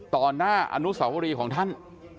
ต่อหน้าอนุสาวรีของท่าน